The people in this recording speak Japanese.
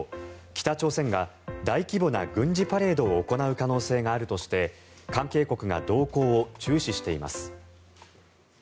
北朝鮮が大規模な軍事パレードを行う可能性があるとして関係国が動向を注視しています。